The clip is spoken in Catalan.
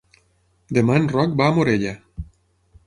Demà en Roc va a Morella.